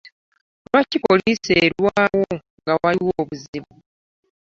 Lwaki poliisi erwawo nga waliwo obuzibu?